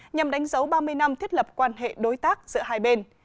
nhằm đánh dấu ba mươi năm thiết lập quan hệ đối tác giữa hai bên